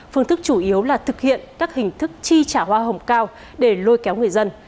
phương thức chủ yếu là thực hiện các hình thức chi trả hoa hồng cao để lôi kéo người dân